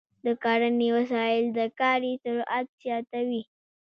د کرنې وسایل د کاري سرعت زیاتوي.